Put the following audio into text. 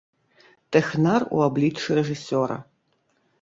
Тэхнар у абліччы рэжысёра!